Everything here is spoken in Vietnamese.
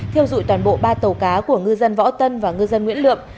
thiêu dụi toàn bộ ba tàu cá của ngư dân võ tân và ngư dân nguyễn lượm